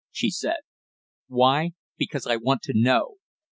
she said. "Why, because I want to know.